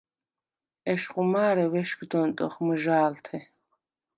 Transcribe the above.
ეშხუ მა̄რე ვეშგდ ონტჷხ მჷჟა̄ლთე.